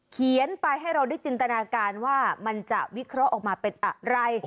เขียนไปให้เราได้จินตนาการว่ามันจะวิเคราะห์ออกมาเป็นอะไร